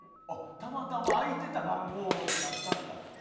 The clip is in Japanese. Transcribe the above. たまたま空いてた番号になったんだ。